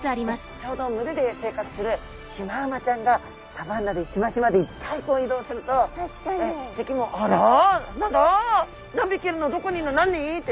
ちょうど群れで生活するシマウマちゃんがサバンナでしましまでいっぱい移動すると敵も「あら何だ？何匹いるの？どこにいるの？